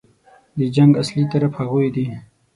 د جنګ اصلي طرف هغوی دي.